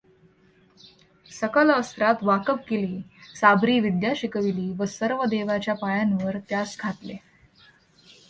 सकल अस्त्रात वाकब केले, साबरी विद्या शिकविली व सर्व देवाच्या पायांवर त्यास घातले.